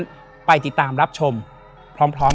และยินดีต้อนรับทุกท่านเข้าสู่เดือนพฤษภาคมครับ